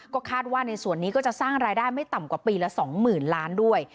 ก็คาดว่าในส่วนนี้ก็จะสร้างรายได้ไม่ต่ำกว่าปีละ๒๐๐๐ล้านด้วย